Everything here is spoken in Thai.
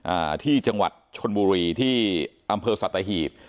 อ่าที่จังหวัดชนบุรีที่อำเภอสัตหีบ